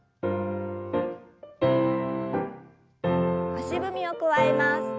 足踏みを加えます。